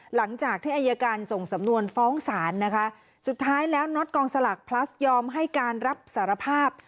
หลังจากที่อายการส่งสำนวนฟ้องศาลนะคะสุดท้ายแล้วน็อตกองสลากพลัสยอมให้การรับสารภาพ